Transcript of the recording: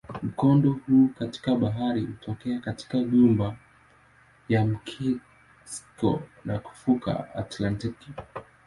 Mkondo huu katika bahari hutokea katika ghuba ya Meksiko na kuvuka Atlantiki.